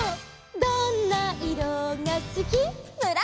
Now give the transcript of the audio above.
「どんないろがすき」「」